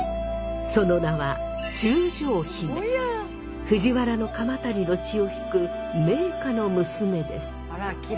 その名は藤原鎌足の血を引く名家の娘です。